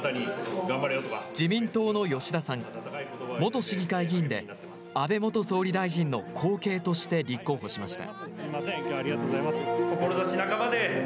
元市議会議員で安倍元総理大臣の後継として立候補しました。